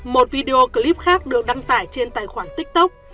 một video clip khác được đăng tải trên tài khoản tiktok